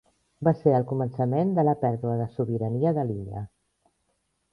Va ser el començament de la pèrdua de sobirania de l'illa.